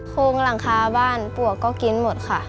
โครงหลังคาบ้านปลวกก็กินหมดค่ะ